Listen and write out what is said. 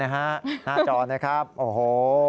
หน้าจอนะครับโอ้โห